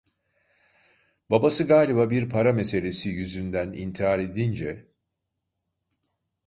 Babası galiba bir para meselesi yüzünden intihar edince.